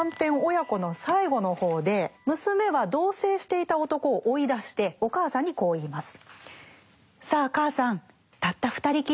「母娘」の最後の方で娘は同棲していた男を追い出してお母さんにこう言います。